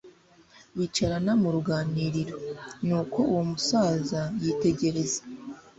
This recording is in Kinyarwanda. bicarana mu ruganiriro. nuko uwo musaza yitegereza